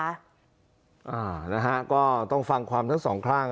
อ่านะฮะก็ต้องฟังความทั้งสองข้าง